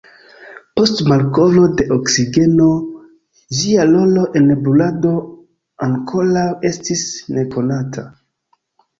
Post malkovro de oksigeno ĝia rolo en brulado ankoraŭ estis nekonata.